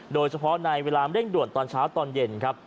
โดยเฉพาะในเวลาเร่งด่วนตอนเช้าตอนเย็นครับ